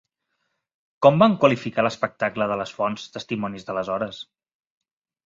Com van qualificar l'espectacle de les fonts testimonis d'aleshores?